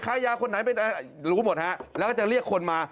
ค้ายยาคนไหนรู้หมดแล้วก็จะเรียกคนมา